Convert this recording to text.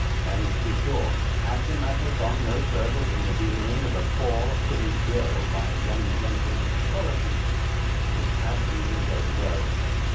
And, to be sure, had the matter gone no further than the humouring of a poor silly girl by a young gentleman of quality, it had been very well.